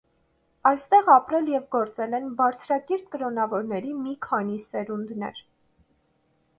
Այստեղ ապրել և գործել են բարձրակիրթ կրոնավորների մի քանի սերունդներ։